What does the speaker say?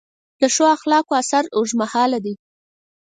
د ښو اخلاقو اثر اوږدمهاله دی.